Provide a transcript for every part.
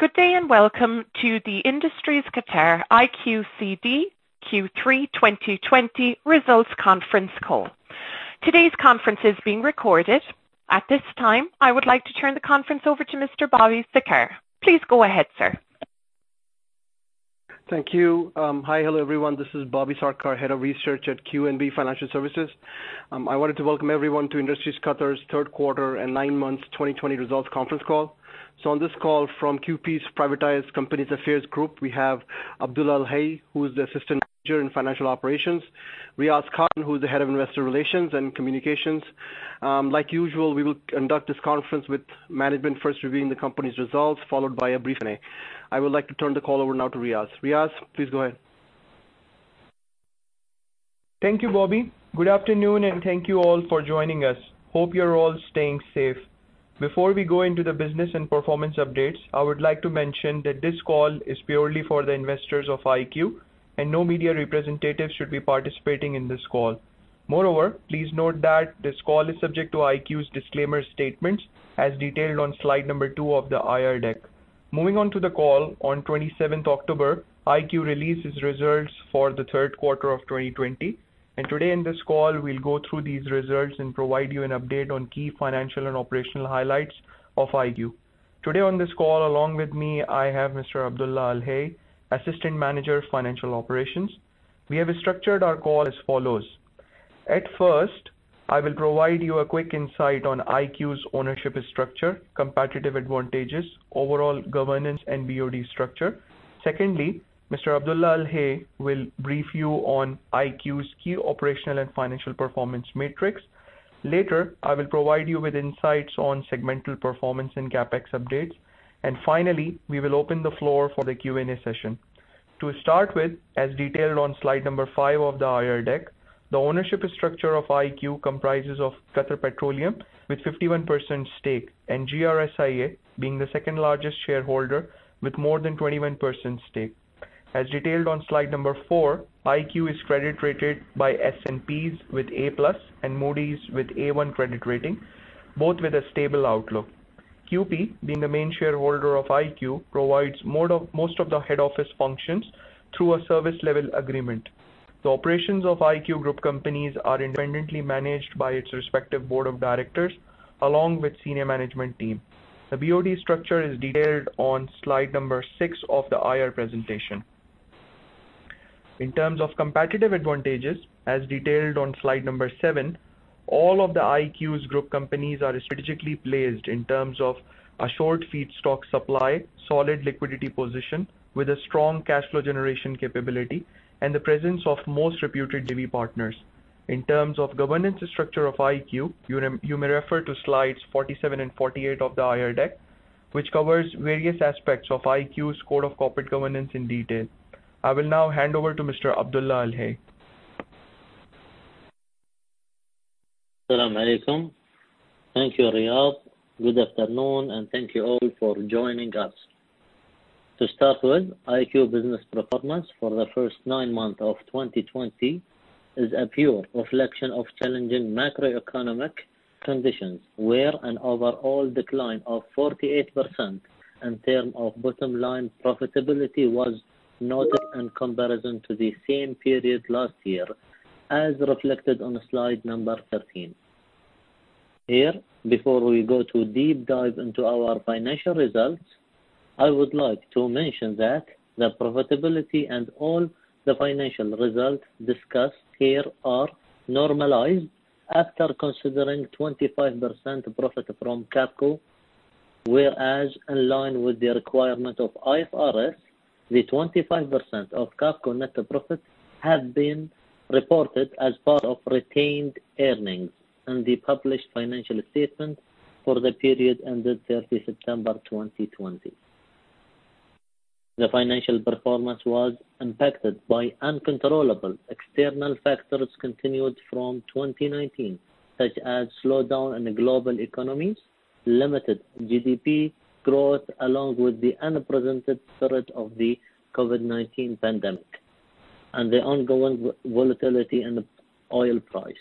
Good day and welcome to the Industries Qatar IQCD Q3 2020 Results Conference Call. Today's conference is being recorded. At this time, I would like to turn the conference over to Mr. Bobby Sarkar. Please go ahead, sir. Thank you. Hi. Hello, everyone. This is Bobby Sarkar, Head of Research at QNB Financial Services. I wanted to welcome everyone to Industries Qatar's third quarter and nine months 2020 results conference call. On this call from QP's Privatized Companies Affairs Group, we have Abdulla Al-Hay, who is the Assistant Manager in Financial Operations. Riaz Khan, who is the Head of Investor Relations and Communications. Like usual, we will conduct this conference with management first reviewing the company's results, followed by a briefing. I would like to turn the call over now to Riaz. Riaz, please go ahead. Thank you, Bobby. Good afternoon, and thank you all for joining us. Hope you're all staying safe. Before we go into the business and performance updates, I would like to mention that this call is purely for the investors of IQ and no media representatives should be participating in this call. Moreover, please note that this call is subject to IQ's disclaimer statements as detailed on slide number two of the IR deck. Moving on to the call. On 27th October, IQ released its results for the third quarter of 2020. Today in this call, we'll go through these results and provide you an update on key financial and operational highlights of IQ. Today on this call, along with me, I have Mr. Abdulla Al-Hay, Assistant Manager of Financial Operations. We have structured our call as follows. At first, I will provide you a quick insight on IQ's ownership structure, competitive advantages, overall governance, and BoD structure. Secondly, Mr. Abdulla Al-Hay will brief you on IQ's key operational and financial performance metrics. Later, I will provide you with insights on segmental performance and CapEx updates. Finally, we will open the floor for the Q&A session. To start with, as detailed on slide number five of the IR deck, the ownership structure of IQ comprises of Qatar Petroleum with 51% stake, and GRSIA being the second-largest shareholder with more than 21% stake. As detailed on slide number four, IQ is credit rated by S&P with A+ and Moody's with A1 credit rating, both with a stable outlook. QP, being the main shareholder of IQ, provides most of the head office functions through a service level agreement. The operations of IQ group companies are independently managed by its respective Board of Directors along with senior management team. The BoD structure is detailed on slide six of the IR presentation. In terms of competitive advantages, as detailed on slide seven, all of the IQ's group companies are strategically placed in terms of assured feedstock supply, solid liquidity position with a strong cash flow generation capability, and the presence of most reputed JV partners. In terms of governance structure of IQ, you may refer to slides 47 and 48 of the IR deck, which covers various aspects of IQ's code of corporate governance in detail. I will now hand over to Mr. Abdulla Al-Hay. As-salamu alaykum. Thank you, Riaz. Good afternoon, and thank you all for joining us. To start with, IQ business performance for the first nine months of 2020 is a pure reflection of challenging macroeconomic conditions, where an overall decline of 48% in term of bottom line profitability was noted in comparison to the same period last year, as reflected on slide 13. Here, before we go to deep dive into our financial results, I would like to mention that the profitability and all the financial results discussed here are normalized after considering 25% profit from Qafco, whereas in line with the requirement of IFRS, the 25% of Qafco net profits have been reported as part of retained earnings in the published financial statement for the period ended 30 September 2020. The financial performance was impacted by uncontrollable external factors continued from 2019, such as slowdown in the global economies, limited GDP growth, along with the unprecedented threat of the COVID-19 pandemic, and the ongoing volatility in the oil price.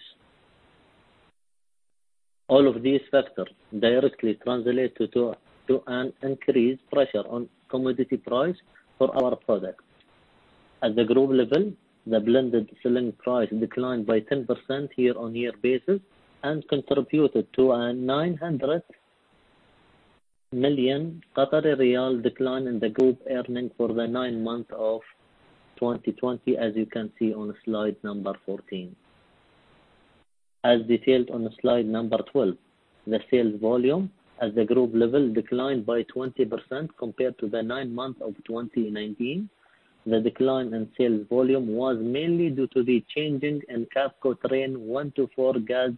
All of these factors directly translate to an increased pressure on commodity price for our products. At the group level, the blended selling price declined by 10% year-on-year basis and contributed to a 900 million decline in the group earning for the nine month of 2020, as you can see on slide 14. As detailed on slide 12, the sales volume at the group level declined by 20% compared to the nine month of 2019. The decline in sales volume was mainly due to the changing in Qafco Trains 1 to 4 gas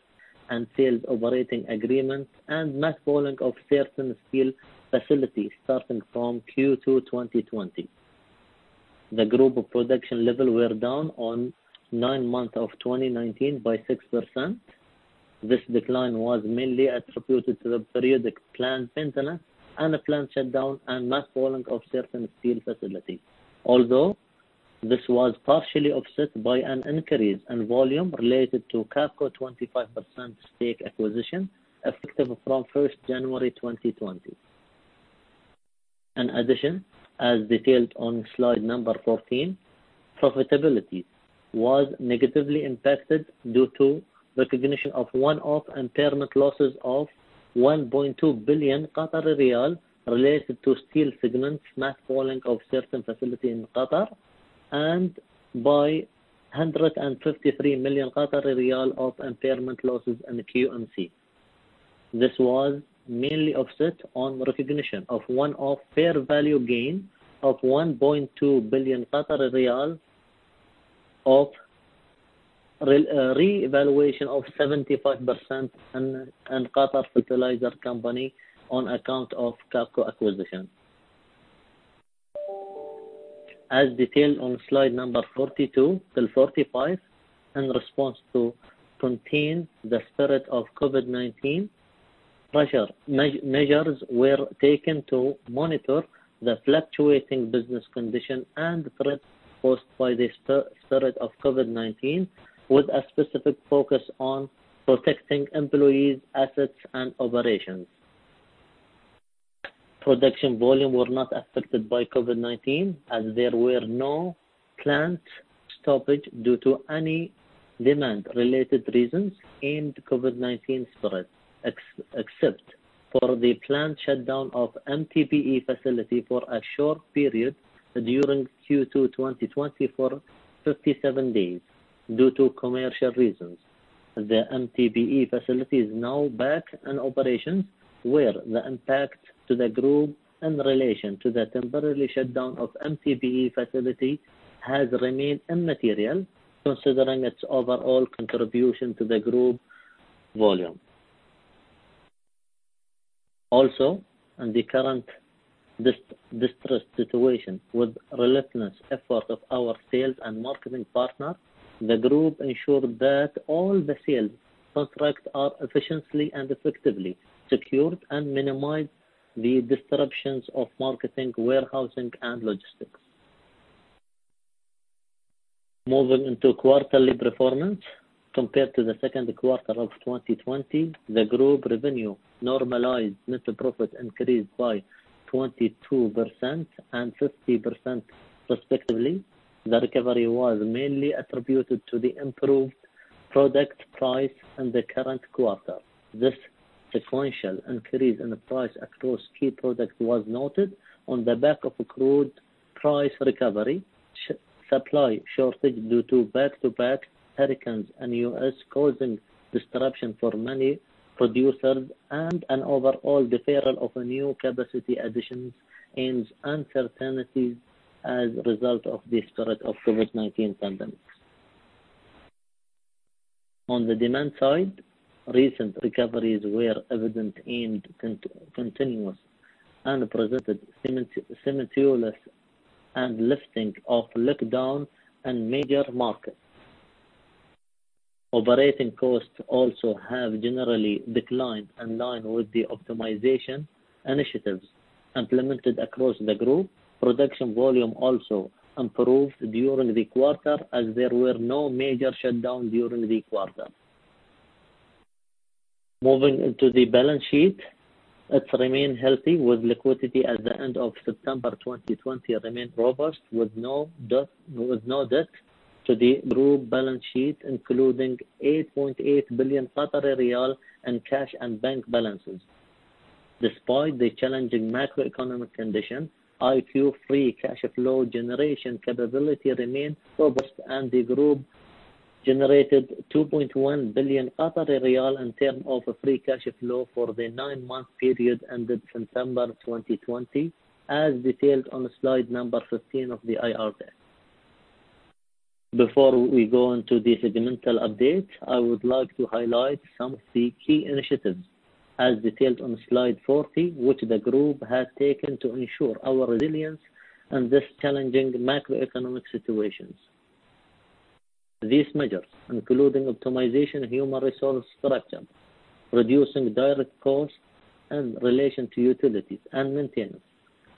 and sales operating agreements and mothballing of certain steel facilities starting from Q2 2020. The group production level were down on nine month of 2019 by 6%. This decline was mainly attributed to the periodic plant maintenance, unplanned shutdown, and mothballing of certain steel facilities. This was partially offset by an increase in volume related to Qafco 25% stake acquisition, effective from 1st January 2020. In addition, as detailed on slide 14, profitability was negatively impacted due to recognition of one-off impairment losses of 1.2 billion riyal related to steel segment, scrap hauling of certain facility in Qatar, and by 153 million of impairment losses in QMC. This was mainly offset on recognition of one-off fair value gain of 1.2 billion of revaluation of 75% in Qatar Fertiliser Company on account of Qafco acquisition. As detailed on slide number 42 till 45, in response to contain the spread of COVID-19, measures were taken to monitor the fluctuating business condition and threats posed by the spread of COVID-19, with a specific focus on protecting employees, assets, and operations. Production volume were not affected by COVID-19, as there were no plant stoppage due to any demand-related reasons in COVID-19 spread, except for the plant shutdown of MTBE facility for a short period during Q2 2020 for 57 days due to commercial reasons. The MTBE facility is now back in operation, where the impact to the group in relation to the temporary shutdown of MTBE facility has remained immaterial, considering its overall contribution to the group volume. Also, in the current distressed situation, with relentless effort of our sales and marketing partners, the group ensured that all the sales contracts are efficiently and effectively secured and minimized the disruptions of marketing, warehousing, and logistics. Moving into quarterly performance. Compared to the second quarter of 2020, the group revenue normalized net profit increased by 22% and 50% respectively. The recovery was mainly attributed to the improved product price in the current quarter. This sequential increase in price across key products was noted on the back of crude price recovery, supply shortage due to back-to-back hurricanes in U.S., causing disruption for many producers, and an overall deferral of new capacity additions and uncertainties as a result of the spread of COVID-19 pandemic. On the demand side, recent recoveries were evident and continuous, and presented simultaneous and lifting of lockdown in major markets. Operating costs also have generally declined in line with the optimization initiatives implemented across the group. Production volume also improved during the quarter, as there were no major shutdown during the quarter. Moving into the balance sheet. It remained healthy, with liquidity at the end of September 2020 remained robust, with no debt to the group balance sheet, including 8.8 billion in cash and bank balances. Despite the challenging macroeconomic condition, IQ free cash flow generation capability remained robust, and the group generated 2.1 billion Qatari riyal in term of free cash flow for the nine-month period ended September 2020, as detailed on slide number 15 of the IR deck. Before we go into the segmental update, I would like to highlight some of the key initiatives, as detailed on slide 40, which the group has taken to ensure our resilience in this challenging macroeconomic situations. These measures, including optimization human resource structure, reducing direct costs in relation to utilities and maintenance,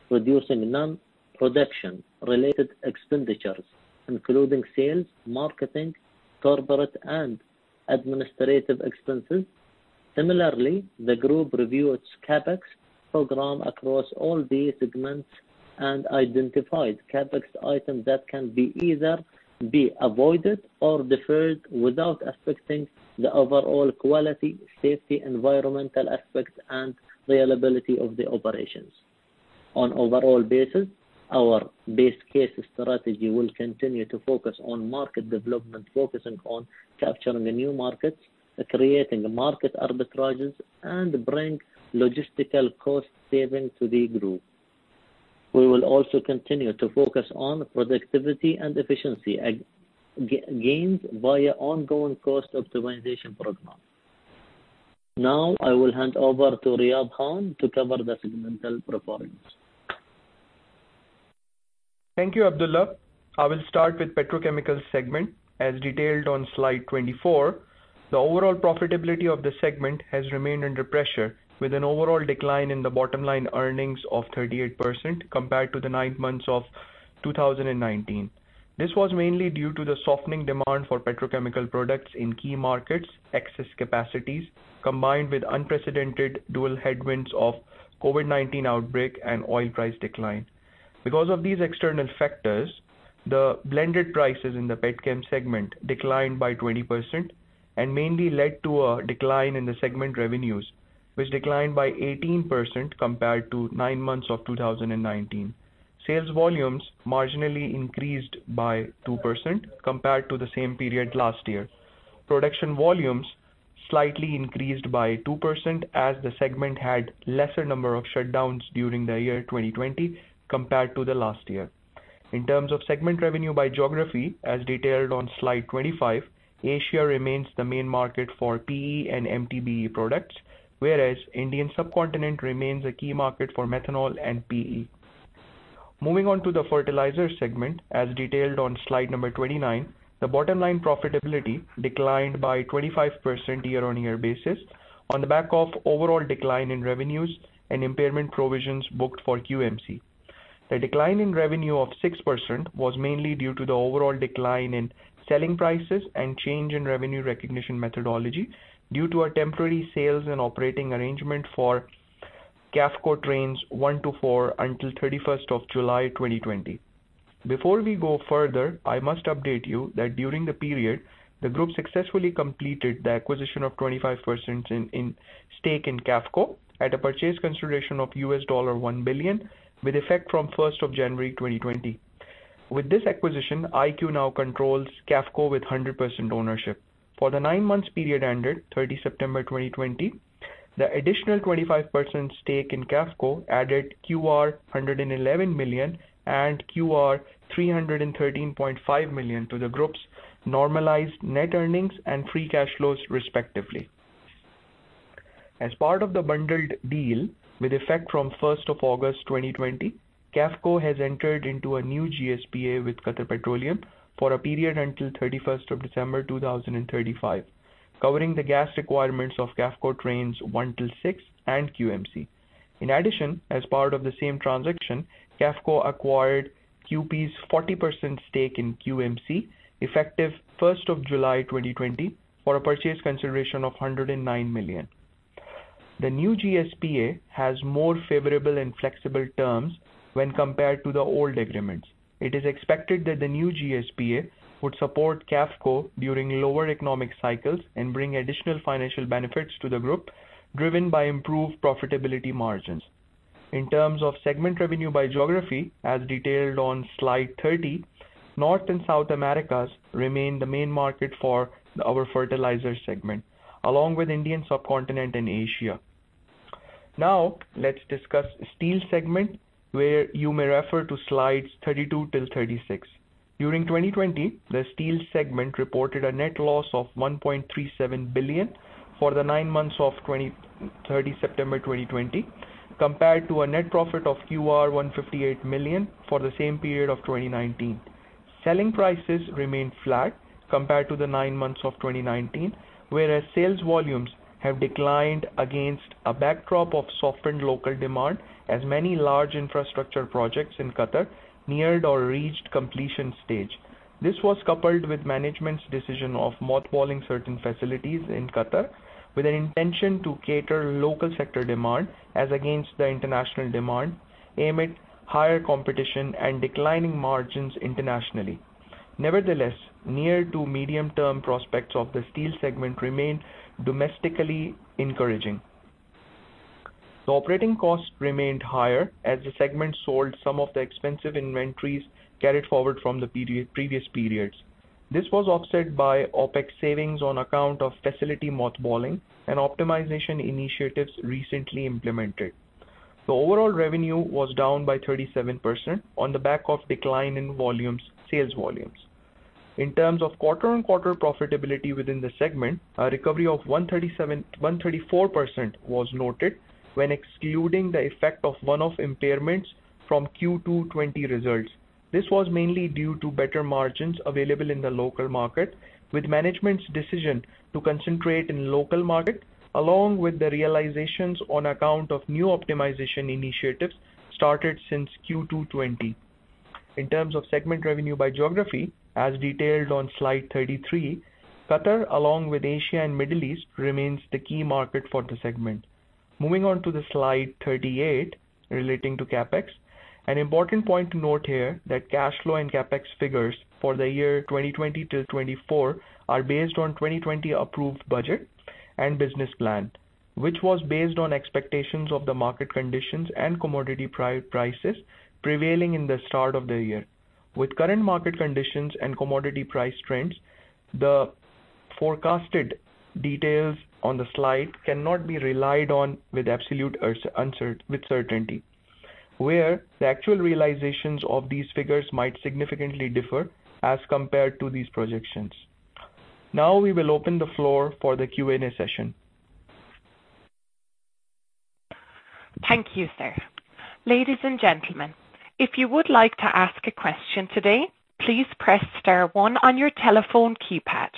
reducing non-production-related expenditures, including sales, marketing, corporate, and administrative expenses. Similarly, the group reviewed its CapEx program across all the segments and identified CapEx item that can be either be avoided or deferred without affecting the overall quality, safety, environmental aspects, and reliability of the operations. On overall basis, our base case strategy will continue to focus on market development, focusing on capturing new markets, creating market arbitrages, and bring logistical cost savings to the group. We will also continue to focus on productivity and efficiency gains via ongoing cost optimization program. Now, I will hand over to Riaz Khan to cover the segmental performance. Thank you, Abdulla. I will start with Petrochemicals segment as detailed on slide 24. The overall profitability of the segment has remained under pressure with an overall decline in the bottom line earnings of 38% compared to the nine months of 2019. This was mainly due to the softening demand for petrochemical products in key markets, excess capacities, combined with unprecedented dual headwinds of COVID-19 outbreak and oil price decline. Because of these external factors, the blended prices in the petchem segment declined by 20% and mainly led to a decline in the segment revenues, which declined by 18% compared to nine months of 2019. Sales volumes marginally increased by 2% compared to the same period last year. Production volumes slightly increased by 2% as the segment had lesser number of shutdowns during the year 2020 compared to the last year. In terms of segment revenue by geography, as detailed on slide 25, Asia remains the main market for PE and MTBE products, whereas Indian subcontinent remains a key market for methanol and PE. Moving on to the Fertilizer segment, as detailed on slide number 29. The bottom line profitability declined by 25% year-on-year basis on the back of overall decline in revenues and impairment provisions booked for QMC. The decline in revenue of 6% was mainly due to the overall decline in selling prices and change in revenue recognition methodology due to a temporary sales and operating arrangement for Qafco Trains 1 to 4 until 31st of July 2020. Before we go further, I must update you that during the period, the group successfully completed the acquisition of 25% stake in Qafco at a purchase consideration of US$1 billion with effect from 1st of January 2020. With this acquisition, IQ now controls Qafco with 100% ownership. For the nine months period ended 30 September 2020, the additional 25% stake in Qafco added 111 million and 313.5 million to the group's normalized net earnings and free cash flows, respectively. As part of the bundled deal with effect from 1st of August 2020, Qafco has entered into a new GSPA with Qatar Petroleum for a period until 31st of December 2035, covering the gas requirements of Qafco Trains 1 to 6 and QMC. In addition, as part of the same transaction, Qafco acquired QP's 40% stake in QMC effective 1st of July 2020 for a purchase consideration of 109 million. The new GSPA has more favorable and flexible terms when compared to the old agreements. It is expected that the new GSPA would support Qafco during lower economic cycles and bring additional financial benefits to the group, driven by improved profitability margins. In terms of segment revenue by geography, as detailed on slide 30, North and South Americas remain the main market for our Fertilizer segment, along with Indian subcontinent and Asia. Now, let's discuss Steel segment, where you may refer to slides 32 till 36. During 2020, the Steel segment reported a net loss of 1.37 billion for the nine months of 30 September 2020 compared to a net profit of 158 million for the same period of 2019. Selling prices remained flat compared to the nine months of 2019. Whereas sales volumes have declined against a backdrop of softened local demand as many large infrastructure projects in Qatar neared or reached completion stage. This was coupled with management's decision of mothballing certain facilities in Qatar with an intention to cater local sector demand as against the international demand, amid higher competition and declining margins internationally. Nevertheless, near to medium-term prospects of the steel segment remain domestically encouraging. The operating cost remained higher as the segment sold some of the expensive inventories carried forward from the previous periods. This was offset by OpEx savings on account of facility mothballing and optimization initiatives recently implemented. The overall revenue was down by 37% on the back of decline in sales volumes. In terms of quarter-on-quarter profitability within the segment, a recovery of 134% was noted when excluding the effect of one-off impairments from Q2 '20 results. This was mainly due to better margins available in the local market with management's decision to concentrate in local market along with the realizations on account of new optimization initiatives started since Q2 '20. In terms of segment revenue by geography, as detailed on slide 33, Qatar along with Asia and Middle East remains the key market for the segment. Moving on to the slide 38 relating to CapEx. An important point to note here that cash flow and CapEx figures for the year 2020 till 2024 are based on 2020 approved budget and business plan, which was based on expectations of the market conditions and commodity prices prevailing in the start of the year. With current market conditions and commodity price trends, the forecasted details on the slide cannot be relied on with certainty, where the actual realizations of these figures might significantly differ as compared to these projections. We will open the floor for the Q&A session. Thank you, sir. Ladies and gentlemen, if you would like to ask a question today, please press star one on your telephone keypad.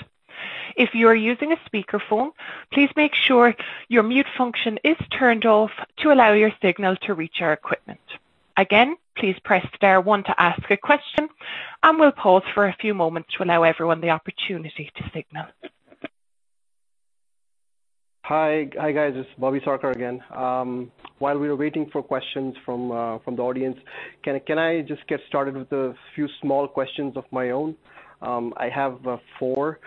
If you are using a speakerphone, please make sure your mute function is turned off to allow your signal to reach our equipment. Please press star one to ask a question, and we'll pause for a few moments to allow everyone the opportunity to signal. Hi, guys. It's Bobby Sarkar again. While we are waiting for questions from the audience, can I just get started with a few small questions of my own? I have four.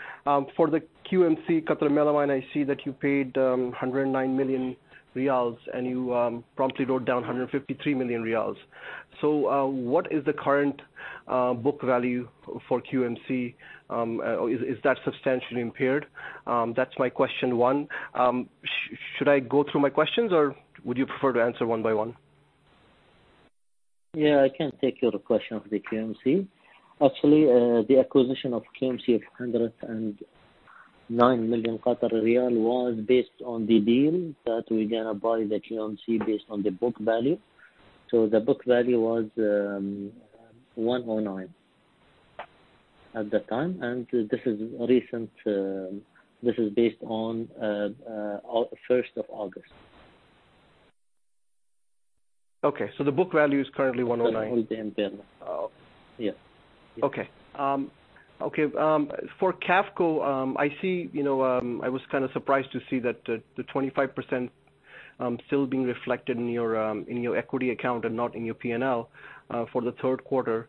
For the QMC, Qatar Melamine, I see that you paid 109 million riyals and you promptly wrote down 153 million riyals. What is the current book value for QMC? Is that substantially impaired? That's my question one. Should I go through my questions or would you prefer to answer one by one? Yeah, I can take your question of the QMC. Actually, the acquisition of QMC of 109 million riyal was based on the deal that we're going to buy the QMC based on the book value. The book value was 109 at that time. This is based on 1st of August. Okay. The book value is currently 109. 110. Yeah. Okay. For Qafco, I was kind of surprised to see that the 25% still being reflected in your equity account and not in your P&L for the third quarter.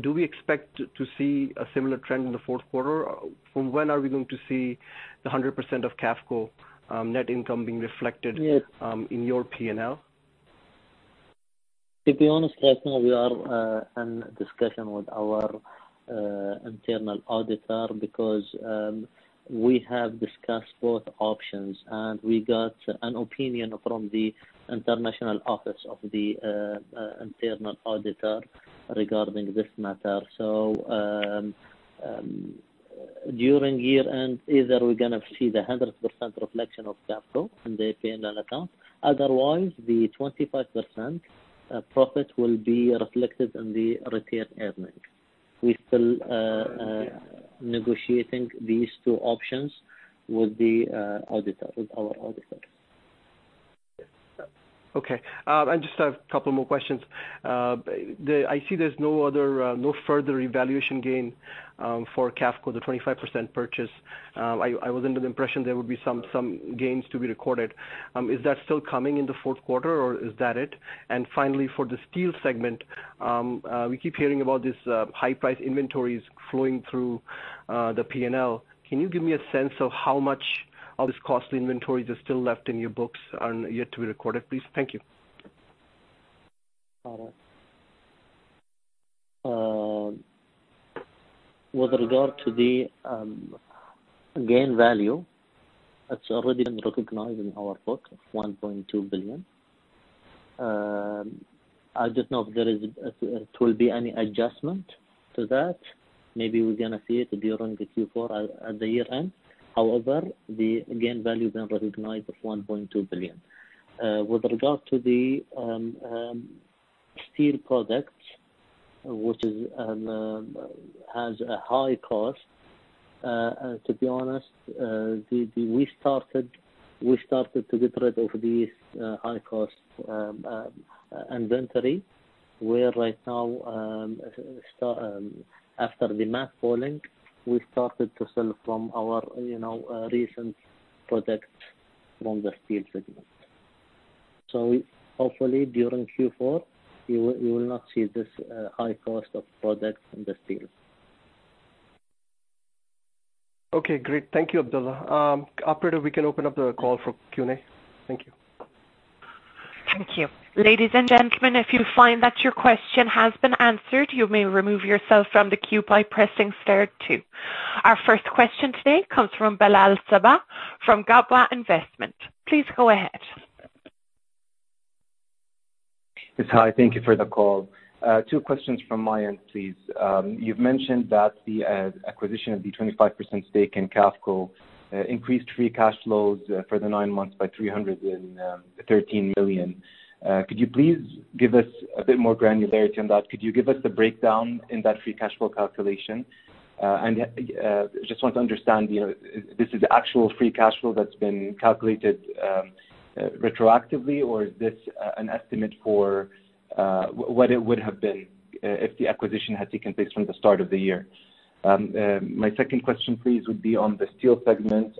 Do we expect to see a similar trend in the fourth quarter? From when are we going to see the 100% of Qafco net income being reflected- Yes in your P&L? To be honest, right now we are in discussion with our internal auditor because we have discussed both options and we got an opinion from the international office of the internal auditor regarding this matter. During year-end, either we're going to see the 100% reflection of Qafco in the P&L account, otherwise the 25% profit will be reflected in the retained earnings. We're still negotiating these two options with our auditor. Okay. I just have a couple more questions. I see there's no further evaluation gain for Qafco, the 25% purchase. I was under the impression there would be some gains to be recorded. Is that still coming in the fourth quarter or is that it? Finally, for the steel segment, we keep hearing about these high-price inventories flowing through the P&L. Can you give me a sense of how much of this cost inventories are still left in your books and yet to be recorded, please? Thank you. With regard to the gain value, that's already been recognized in our book, 1.2 billion. I don't know if there will be any adjustment to that. Maybe we're going to see it during the Q4 at the year-end. However, the gain value been recognized of 1.2 billion. With regard to the steel products, which has a high cost. To be honest, we started to get rid of these high-cost inventory. Where right now, after the mothballing, we started to sell from our recent products from the steel segment. Hopefully during Q4, you will not see this high cost of products in the steel. Okay, great. Thank you, Abdulla. Operator, we can open up the call for Q&A. Thank you. Thank you. Ladies and gentlemen, if you find that your question has been answered, you may remove yourself from the queue by pressing star 2. Our first question today comes from Bilal Saba from Gabwa Investment. Please go ahead. Yes, hi. Thank you for the call. Two questions from my end, please. You've mentioned that the acquisition of the 25% stake in Qafco increased free cash flows for the nine months by 313 million. Could you please give us a bit more granularity on that? Could you give us the breakdown in that free cash flow calculation? I just want to understand, this is actual free cash flow that's been calculated retroactively, or is this an estimate for what it would have been if the acquisition had taken place from the start of the year? My second question, please, would be on the steel segment.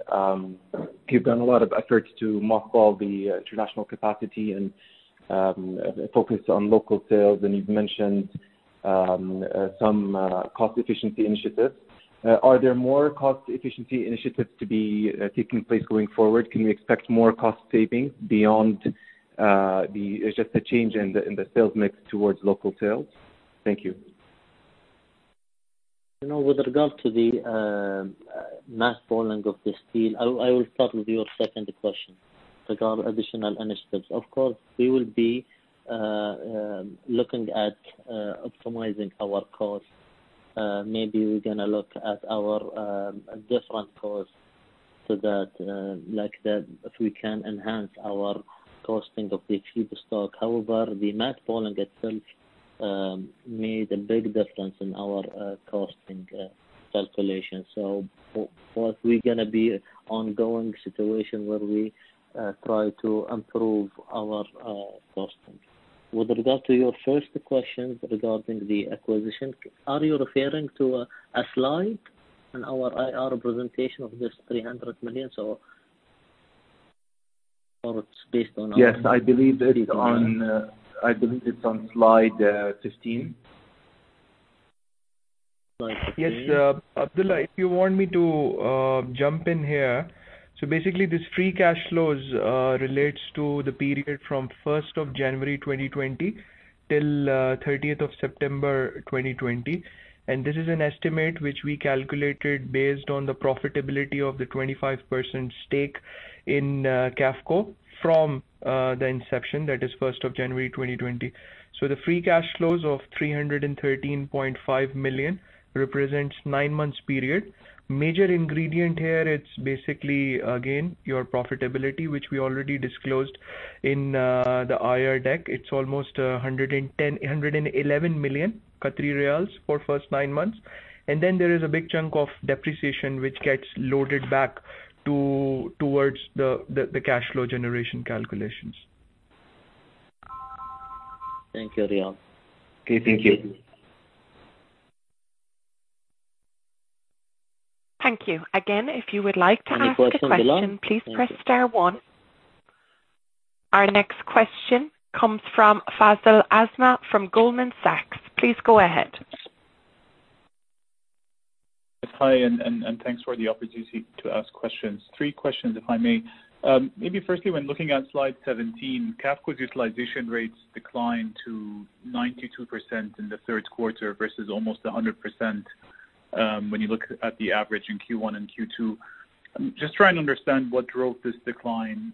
You've done a lot of efforts to mothball the international capacity and focus on local sales, and you've mentioned some cost efficiency initiatives. Are there more cost efficiency initiatives to be taking place going forward? Can we expect more cost savings beyond just the change in the sales mix towards local sales? Thank you. With regard to the mothballing of the steel, I will start with your second question regarding additional initiatives. Of course, we will be looking at optimizing our cost. Maybe we're going to look at our different costs so that if we can enhance our costing of the feedstock. However, the mothballing itself made a big difference in our costing calculation. Of course, we're going to be ongoing situation where we try to improve our costing. With regard to your first question regarding the acquisition, are you referring to a slide in our IR presentation of this 300 million? Or it's based on- Yes, I believe it's on slide 15. Slide 15. Yes. Abdullah, if you want me to jump in here. Basically, this free cash flows relates to the period from 1st of January 2020 till 30th of September 2020. This is an estimate which we calculated based on the profitability of the 25% stake in Qafco from the inception, that is 1st of January 2020. The free cash flows of $313.5 million represents nine months period. Major ingredient here, it is basically again, your profitability, which we already disclosed in the IR deck. It is almost QAR for first nine months. Then there is a big chunk of depreciation which gets loaded back towards the cash flow generation calculations. Thank you, Riaz. Okay. Thank you. Thank you. Again, if you would like to ask a question, please press star one. Our next question comes from Faisal Azmeh from Goldman Sachs. Please go ahead. Hi. Thanks for the opportunity to ask questions. Three questions, if I may. Maybe firstly, when looking at slide 17, Qafco's utilization rates declined to 92% in the third quarter versus almost 100%, when you look at the average in Q1 and Q2. Just trying to understand what drove this decline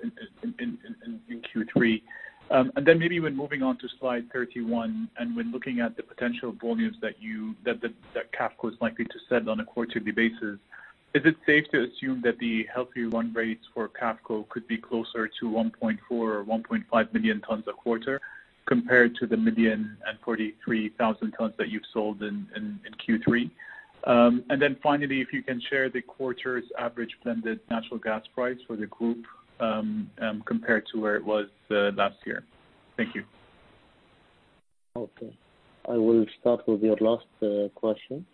in Q3. Maybe when moving on to slide 31, and when looking at the potential volumes that Qafco is likely to sell on a quarterly basis, is it safe to assume that the healthy run rates for Qafco could be closer to 1.4 or 1.5 million tons a quarter compared to the 1,043,000 tons that you've sold in Q3? Finally, if you can share the quarter's average blended natural gas price for the group compared to where it was last year. Thank you. Okay. I will start with your last question.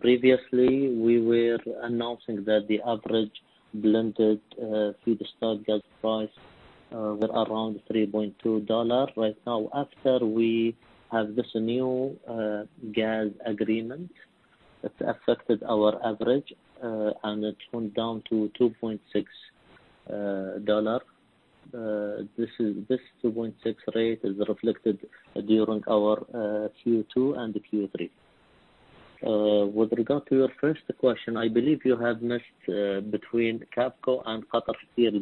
Previously, we were announcing that the average blended feedstock gas price were around QAR 3.2. After we have this new gas agreement, it has affected our average, and it went down to QAR 2.6. This 2.6 rate is reflected during our Q2 and Q3. With regard to your first question, I believe you have missed between Qafco and Qatar Steel.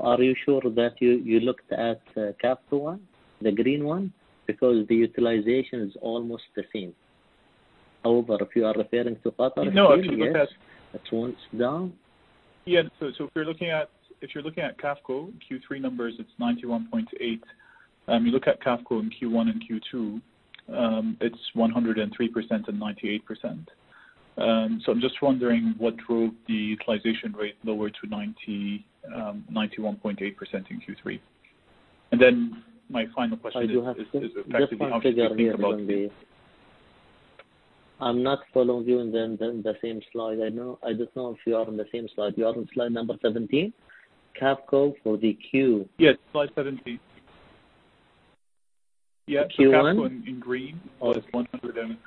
Are you sure that you looked at Qafco one, the green one? Because the utilization is almost the same. However, if you are referring to Qatar Steel- No, if you look at- It went down. If you are looking at Qafco Q3 numbers, it is 91.8%. You look at Qafco in Q1 and Q2, it is 103% and 98%. I am just wondering what drove the utilization rate lower to 91.8% in Q3. My final question is effectively how should we think about the- I am not following you in the same slide. I do not know if you are on the same slide. You are on slide number 17? Qafco for the Q. Yes, slide 17. Q1? Qafco in green was 100%.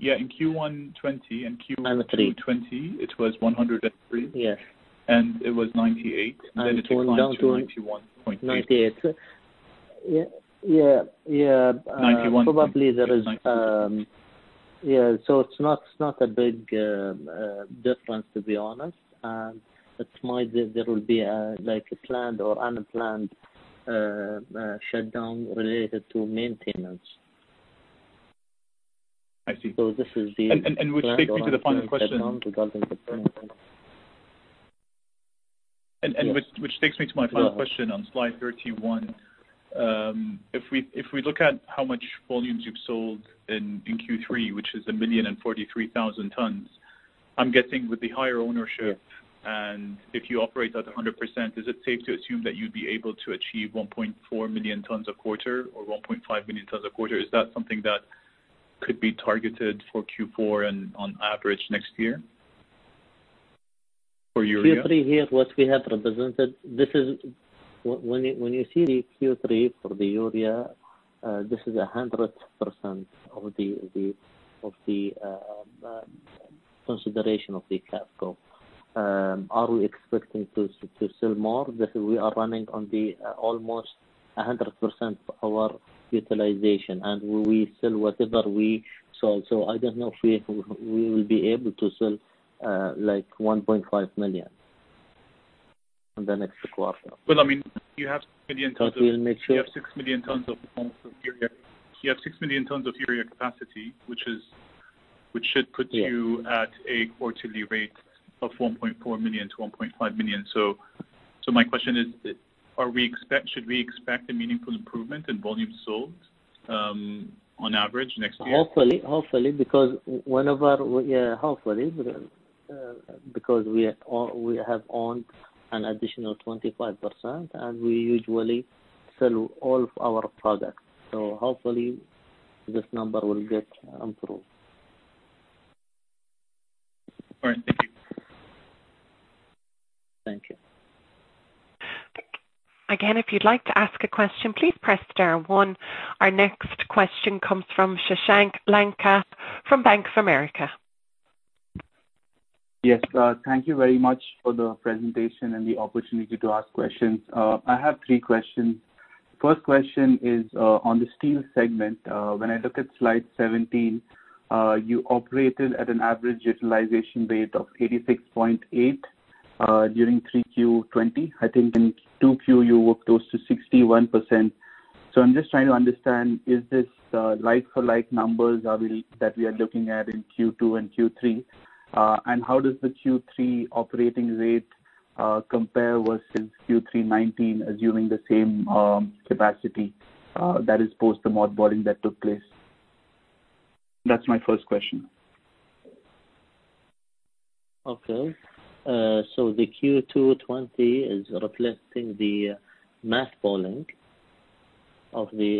In Q1 2020 and Q2 2020, it was 103%. Yes. It was 98. It declined to 91.8. 98. Yeah. 91.8. Yeah. It's not a big difference, to be honest. It's my view there will be like a planned or unplanned shutdown related to maintenance. I see. This is the planned or unplanned shutdown regarding the maintenance. Which takes me to my final question on slide 31. If we look at how much volumes you've sold in Q3, which is 1,043,000 tons, I'm guessing with the higher ownership and if you operate at 100%, is it safe to assume that you'd be able to achieve 1.4 million tons a quarter or 1.5 million tons a quarter? Is that something that could be targeted for Q4 and on average next year for urea? Q3 here, what we have represented, when you see the Q3 for the urea, this is 100% of the consideration of the Qafco. Are we expecting to sell more? We are running on the almost 100% our utilization, we sell whatever we sell. I don't know if we will be able to sell like 1.5 million on the next quarter. Well, you have 6 million tons of urea capacity, which should put you at a quarterly rate of 1.4 million to 1.5 million. My question is, should we expect a meaningful improvement in volume sold on average next year? Hopefully. We have owned an additional 25%, we usually sell all of our products. Hopefully this number will get improved. All right. Thank you. Thank you. Again, if you'd like to ask a question, please press star one. Our next question comes from Shashank Lanka from Bank of America. Yes. Thank you very much for the presentation and the opportunity to ask questions. I have three questions. First question is on the steel segment. When I look at slide 17, you operated at an average utilization rate of 86.8 during 3Q20. I think in 2Q you were close to 61%. I'm just trying to understand, is this like for like numbers that we are looking at in 2Q and 3Q? How does the 3Q operating rate compare versus Q3 2019, assuming the same capacity that is post the mothballing that took place? That's my first question. The 2Q 2020 is reflecting the mothballing. The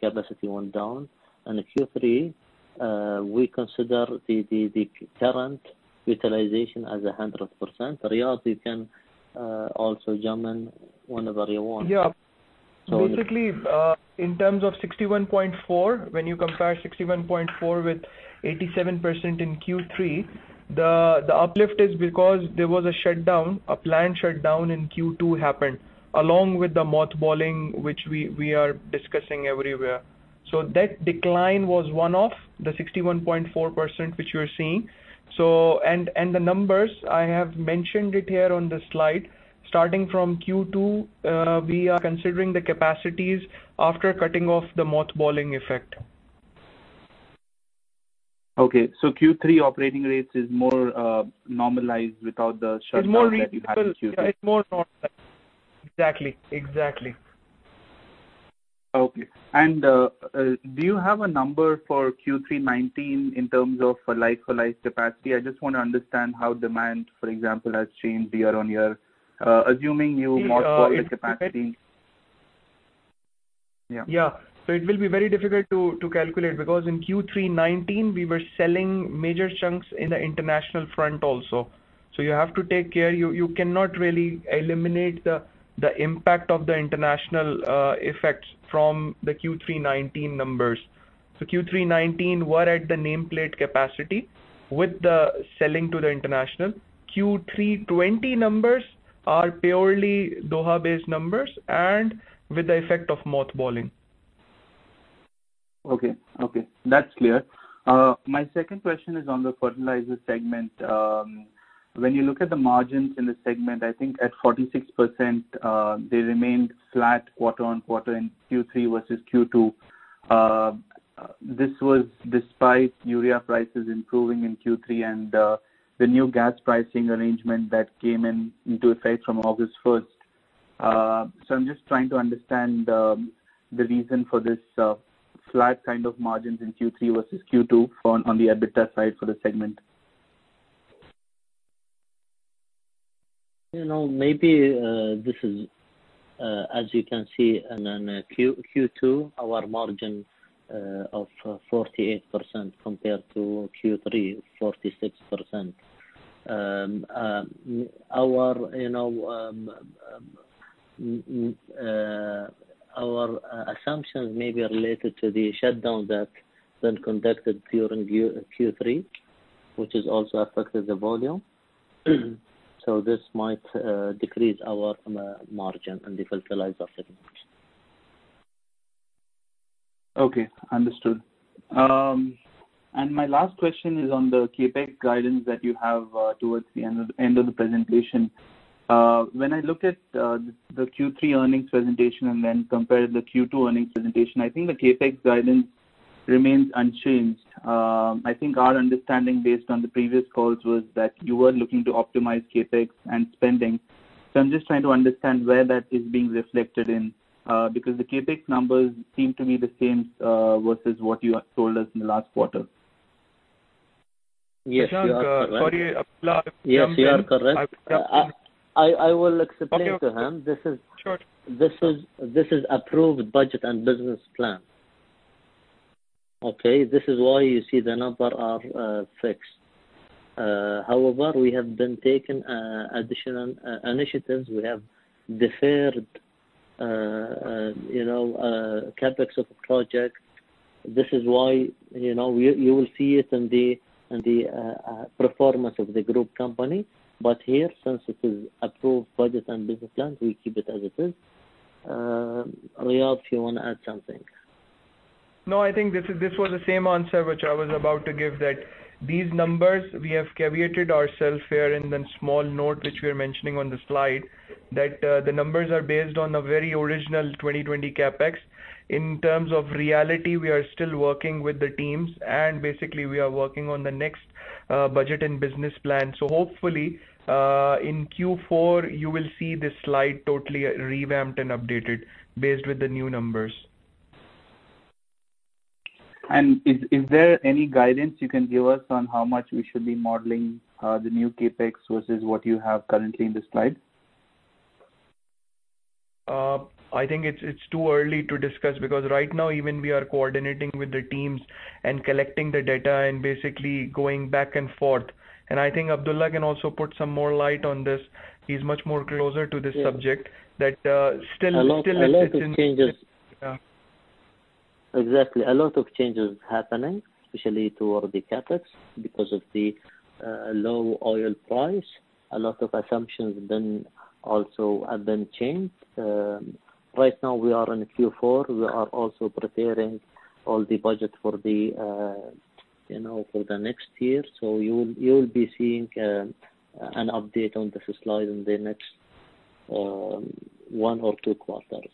capacity went down. The 3Q, we consider the current utilization as 100%. Riaz, you can also jump in whenever you want. Yeah. So- Basically, in terms of 61.4, when you compare 61.4 with 87% in 3Q, the uplift is because there was a planned shutdown in 2Q happened, along with the mothballing, which we are discussing everywhere. That decline was one-off, the 61.4% which you are seeing. The numbers, I have mentioned it here on the slide. Starting from 2Q, we are considering the capacities after cutting off the mothballing effect. Q3 operating rates is more normalized without the shutdown that you had in 2Q. It's more reasonable. It's more normalized. Exactly. Okay. Do you have a number for Q3 2019 in terms of a like-for-like capacity? I just want to understand how demand, for example, has changed year-on-year, assuming new mothballing capacity. Yeah. It will be very difficult to calculate, because in Q3 2019 we were selling major chunks in the international front also. You have to take care. You cannot really eliminate the impact of the international effects from the Q3 2019 numbers. Q3 2019, we're at the nameplate capacity with the selling to the international. Q3 2020 numbers are purely Doha-based numbers and with the effect of mothballing. Okay. That's clear. My second question is on the fertilizer segment. When you look at the margins in the segment, I think at 46%, they remained flat quarter-on-quarter in Q3 versus Q2. This was despite urea prices improving in Q3 and the new gas pricing arrangement that came into effect from August 1st. I'm just trying to understand the reason for this flat kind of margins in Q3 versus Q2 on the EBITDA side for the segment. Maybe this is, as you can see in Q2, our margin of 48% compared to Q3, 46%. Our assumptions may be related to the shutdown that was conducted during Q3, which has also affected the volume. This might decrease our margin in the fertilizer segment. Okay. Understood. My last question is on the CapEx guidance that you have towards the end of the presentation. When I look at the Q3 earnings presentation and then compare the Q2 earnings presentation, I think the CapEx guidance remains unchanged. I think our understanding based on the previous calls was that you were looking to optimize CapEx and spending. I'm just trying to understand where that is being reflected in, because the CapEx numbers seem to be the same, versus what you have told us in the last quarter. Yes, you are correct. Shashank, sorry, Abdulla, if you can jump in. Yes, you are correct. I can- I will explain to him. Okay. Sure. This is approved budget and business plan. Okay. This is why you see the number are fixed. However, we have been taking additional initiatives. We have deferred CapEx of project. This is why you will see it in the performance of the group company. Here, since it is approved budget and business plan, we keep it as it is. Riaz, if you want to add something. I think this was the same answer which I was about to give, that these numbers we have caveated ourselves here in the small note, which we are mentioning on the slide, that the numbers are based on a very original 2020 CapEx. In terms of reality, we are still working with the teams, and basically, we are working on the next budget and business plan. Hopefully, in Q4, you will see this slide totally revamped and updated based with the new numbers. Is there any guidance you can give us on how much we should be modeling the new CapEx versus what you have currently in the slide? I think it's too early to discuss because right now even we are coordinating with the teams and collecting the data and basically going back and forth. I think Abdulla can also put some more light on this. He's much more closer to this subject. Exactly. A lot of changes happening, especially toward the CapEx, because of the low oil price. A lot of assumptions also have been changed. Right now, we are in Q4. We are also preparing all the budget for the next year. You will be seeing an update on this slide in the next one or two quarters.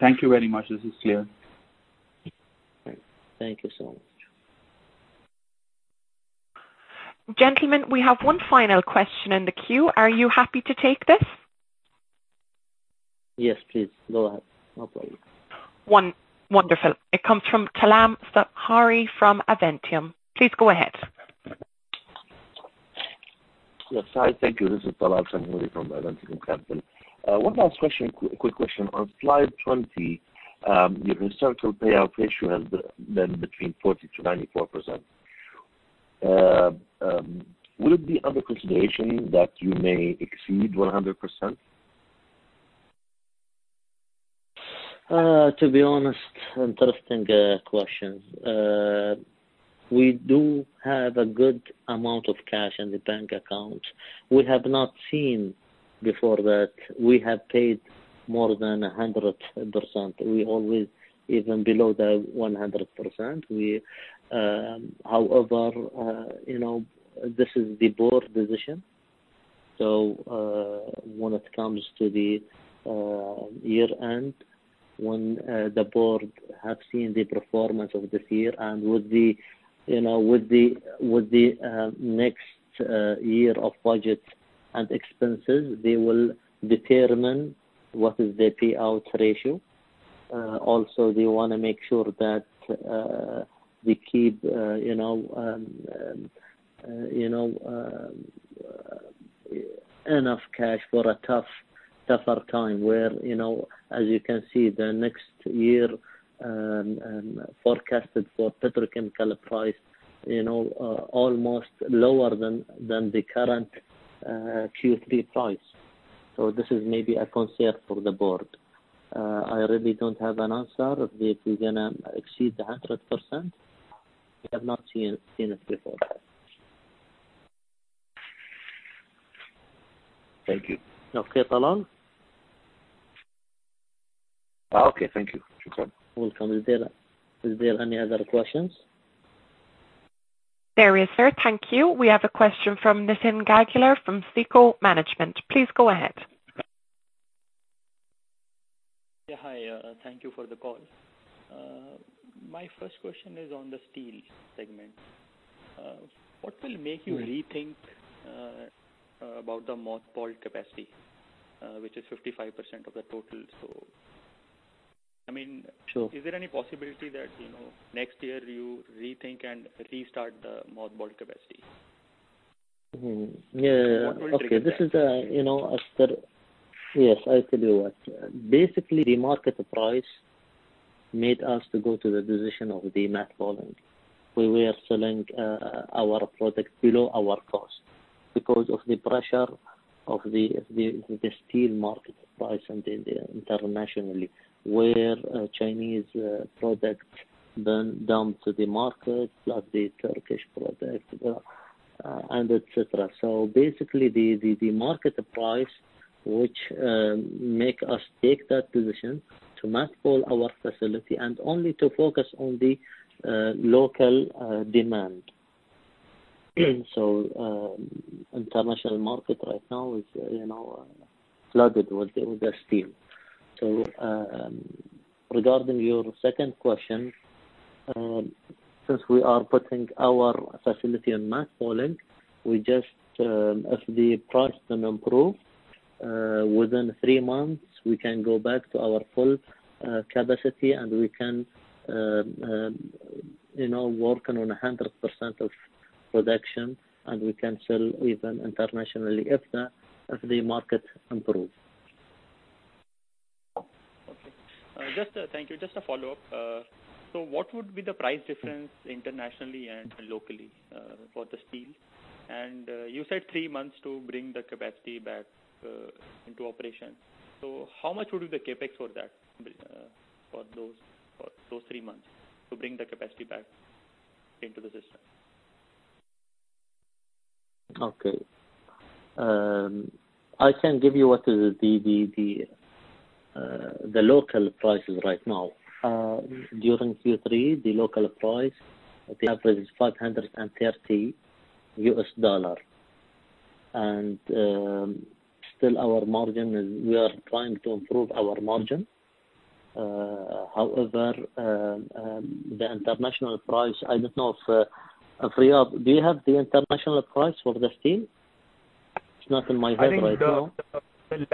Thank you very much. This is clear. Thank you so much. Gentlemen, we have one final question in the queue. Are you happy to take this? Yes, please. Go ahead. No problem. Wonderful. It comes from Talal Sakhnini from Aventicum. Please go ahead. Yes. Hi, thank you. This is Talal Sakhnini from Aventicum Capital. One last question, quick question. On slide 20, your historical payout ratio has been between 40%-94%. Would it be under consideration that you may exceed 100%? To be honest, interesting question. We do have a good amount of cash in the bank account. We have not seen before that we have paid more than 100%. We always even below the 100%. This is the board decision. When it comes to the year-end, when the board have seen the performance of this year and with the next year of budget and expenses, they will determine what is the payout ratio. They want to make sure that we keep enough cash for a tougher time where, as you can see, the next year forecasted for petrochemical price almost lower than the current Q3 price. This is maybe a concern for the board. I really don't have an answer if we're going to exceed the 100%. We have not seen it before. Thank you. Okay, Talal. Okay. Thank you. You're welcome. Is there any other questions? There is, sir. Thank you. We have a question from Naim Gargour from SICO Asset Management. Please go ahead. Hi. Thank you for the call. My first question is on the steel segment. What will make you rethink about the mothballed capacity, which is 55% of the total? Is there any possibility that next year you rethink and restart the mothballed capacity? Yes. I tell you what. Basically, the market price made us to go to the position of the mothballing. We were selling our product below our cost because of the pressure of the steel market price internationally, where Chinese products then dump to the market, plus the Turkish product, and et cetera. Basically, the market price which make us take that position to mothball our facility and only to focus on the local demand. International market right now is flooded with the steel. Regarding your second question, since we are putting our facility on mothballing, if the price can improve within three months, we can go back to our full capacity and we can work on 100% of production, and we can sell even internationally if the market improves. Okay. Thank you. Just a follow-up. What would be the price difference internationally and locally for the steel? You said three months to bring the capacity back into operation. How much would be the CapEx for those three months to bring the capacity back into the system? Okay. I can give you what is the local prices right now. During Q3, the local price, the average is $530 US dollars. Still we are trying to improve our margin. The international price, I don't know if, Riaz, do you have the international price for the steel? It's not in my head right now. I think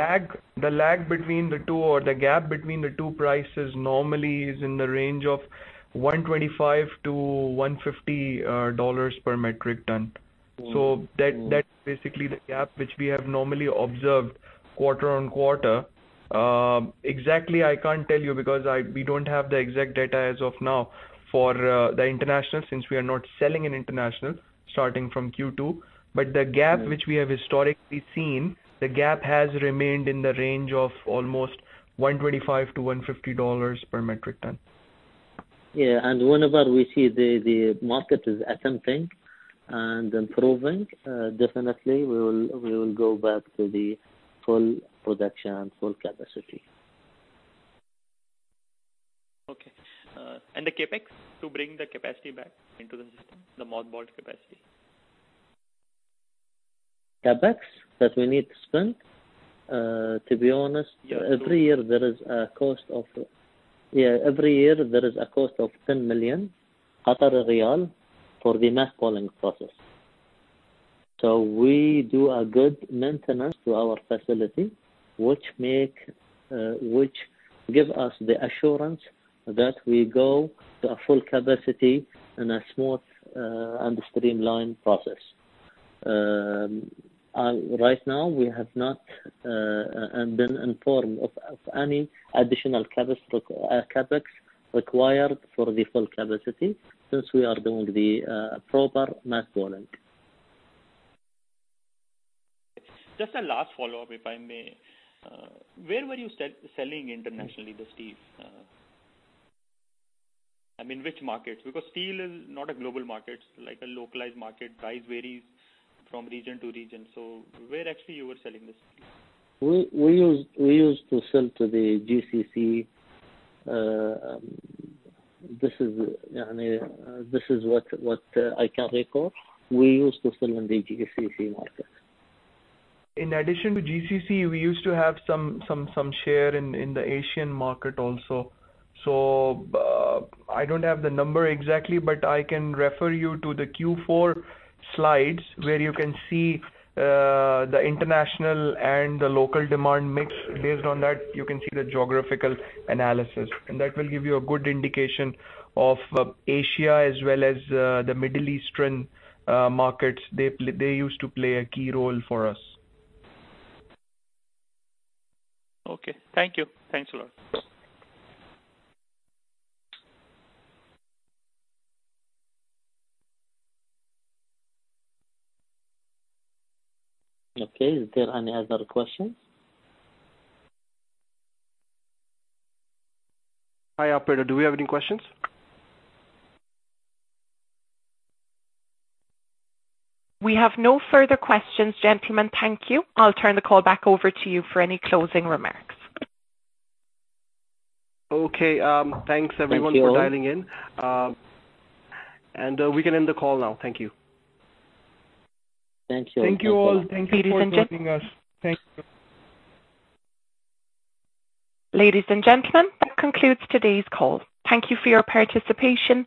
the lag between the two or the gap between the two prices normally is in the range of $125-$150 per metric ton. That's basically the gap which we have normally observed quarter on quarter. Exactly, I can't tell you because we don't have the exact data as of now for the international, since we are not selling in international, starting from Q2. The gap which we have historically seen, the gap has remained in the range of almost $125-$150 per metric ton. Whenever we see the market is attempting and improving, definitely we will go back to the full production, full capacity. Okay. The CapEx to bring the capacity back into the system, the mothballed capacity. CapEx that we need to spend? Yeah. Every year, there is a cost of 10 million riyal for the mothballing process. We do a good maintenance to our facility, which give us the assurance that we go to a full capacity in a smooth and streamlined process. Right now, we have not been informed of any additional CapEx required for the full capacity since we are doing the proper mothballing. Just a last follow-up, if I may. Where were you selling internationally, the steel? I mean, which markets? Steel is not a global market. It's like a localized market. Price varies from region to region. Where actually you were selling this steel? We used to sell to the GCC. This is what I can recall. We used to sell in the GCC market. In addition to GCC, we used to have some share in the Asian market also. I don't have the number exactly, but I can refer you to the Q4 slides where you can see the international and the local demand mix. Based on that, you can see the geographical analysis. That will give you a good indication of Asia as well as the Middle Eastern markets. They used to play a key role for us. Okay. Thank you. Thanks a lot. Okay. Is there any other questions? Hi, operator. Do we have any questions? We have no further questions, gentlemen. Thank you. I'll turn the call back over to you for any closing remarks. Okay. Thanks everyone. Thank you. for dialing in. We can end the call now. Thank you. Thank you. Thank you all. Thank you for including us. Please disengage. Thank you. Ladies and gentlemen, that concludes today's call. Thank you for your participation.